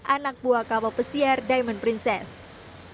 anak buah kapal pesiar diamond princess